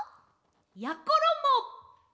やころも！